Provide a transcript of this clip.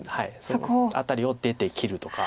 その辺りを出て切るとか。